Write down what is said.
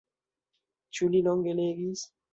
Ĉu li longe legis?